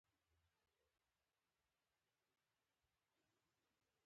ګوندي بیا یو څوک وي راشي